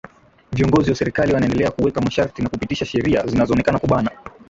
Viongozi wa serikali wanaendelea kuweka masharti na kupitisha sheria zinazo onekana kubana